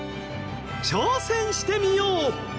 挑戦してみよう！